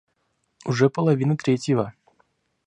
Уже половина третьего.